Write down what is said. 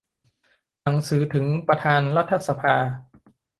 หนังสือถึงประธานรัฐสภา